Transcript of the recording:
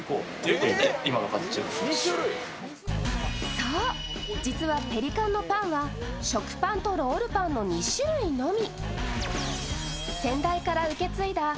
そう、実はペリカンのパンは食パンとロールパンの２種類のみ。